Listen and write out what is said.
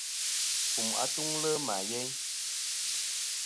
Kum atuŋlɨ ma yeyn.